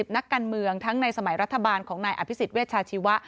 นักการเมืองทั้งในสมัยรัฐบาลของนายอภิษฎเวชาชีวะ